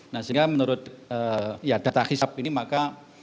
nah sehingga menurut ya data hisap ini maka